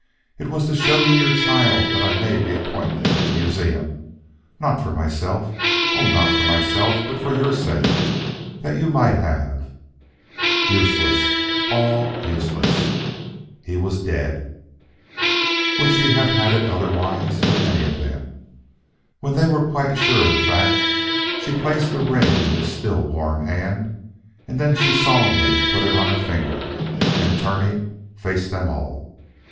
"It was to show you your child that I made the appointment at the museum. Not for myself. Oh, not for myself, but for your sake, that you might have " Useless; all useless. He was dead. Would she have had it otherwise? Would any of them? When they were quite sure of the fact, she placed the ring in his still warm hand; then she solemnly put it on her finger, and turning, faced them all.